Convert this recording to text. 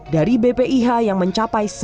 dari bpih yang mencapai